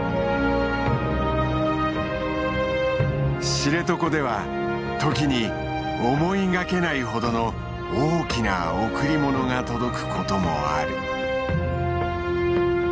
知床では時に思いがけないほどの大きな贈り物が届くこともある。